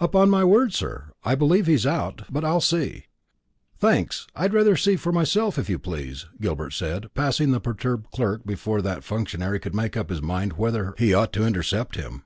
"Upon my word, sir, I believe he's out; but I'll see." "Thanks; I'd rather see myself, if you please," Gilbert said, passing the perturbed clerk before that functionary could make up his mind whether he ought to intercept him.